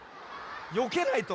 よけないと。